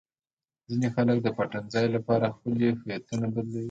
ځینې خلک د پټنځای لپاره خپلې هویتونه بدلوي.